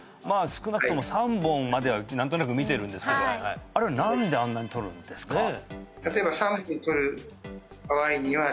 まあ少なくとも３本までは何となく見てるんですけどあれは何であんなに採るんですか？